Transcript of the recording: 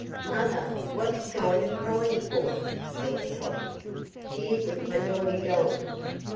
"Mother, what's Dinah crying for?" said Totty. "She isn't a naughty dell."